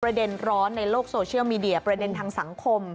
ประเด็นร้อนในโลกโซเชียลมีเดียประเด็นทางสังคม